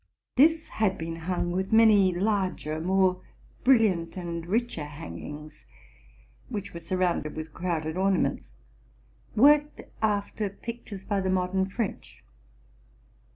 This had been hung with many larger, more brilliant and richer, hangings, w hich were surrounded with crowded orna ments, worked after pictures by the modern French.